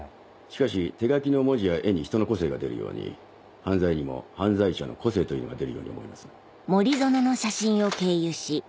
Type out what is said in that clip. しかし手書きの文字や絵に人の個性が出るように犯罪にも犯罪者の個性というのが出るように思います。